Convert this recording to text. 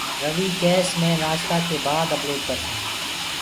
رويٚ ڪيس مي نآشتآ ڪي بآد اپلوڊ ڪرسونٚ